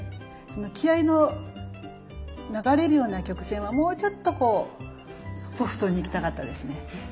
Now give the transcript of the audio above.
その気合いの流れるような曲線はもうちょっとこうソフトにいきたかったですね。